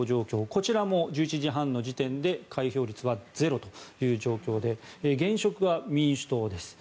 こちらも１１時半の時点で開票率はゼロという状況で現職が民主党です。